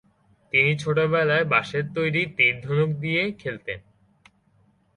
তিনি ছোটবেলায় বাঁশের তৈরি তীর-ধনুক দিয়ে খেলতেন।